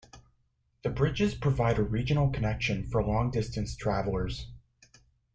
The bridges provide a regional connection for long-distance travelers.